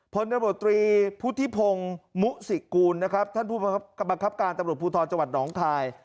ผลดรบตรีพุทธิพงมุษิกูลนะครับท่านผู้บังคับการตรวจภูทรจวัตรดองค์ไทย